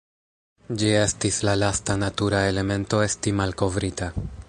Ĝi estis la lasta natura elemento esti malkovrita.